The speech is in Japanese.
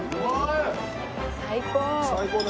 最高！